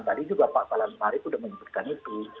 tadi juga pak falan mari sudah menyebutkan itu